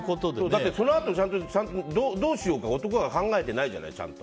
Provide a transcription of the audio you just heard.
だって、そのあとどうしようかって男が考えてないじゃないちゃんと。